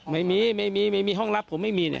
ไม่มีไม่มีห้องรับผมไม่มีนะ